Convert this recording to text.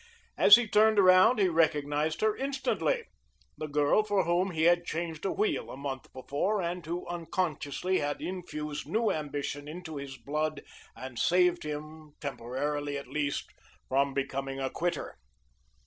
As he turned about he recognized her instantly the girl for whom he had changed a wheel a month before and who unconsciously had infused new ambition into his blood and saved him, temporarily at least, from becoming a quitter.